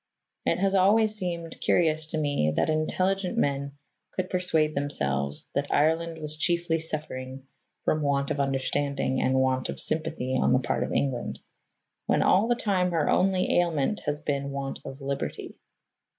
It has always seemed curious to me that intelligent men could persuade themselves that Ireland was chiefly suffering from want of understanding and want of sympathy on the part of England, when all the time her only ailment has been want of liberty.